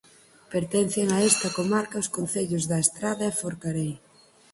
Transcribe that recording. Pertencen a esta comarca os concellos da Estrada e Forcarei.